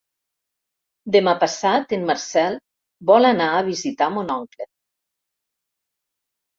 Demà passat en Marcel vol anar a visitar mon oncle.